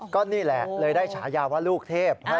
ก็นี่แหละเลยได้ฉายาว่าลูกเทพ